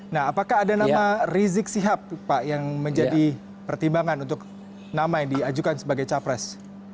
nah apakah ada nama rizik sihab pak yang menjadi pertimbangan untuk nama yang diajukan sebagai capres